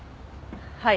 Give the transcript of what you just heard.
はい。